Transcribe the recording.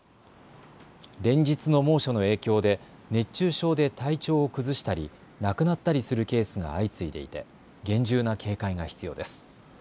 連日の猛暑の影響で熱中症で体調を崩したり亡くなったりするケースが相次いでいて厳重な警戒が必要です。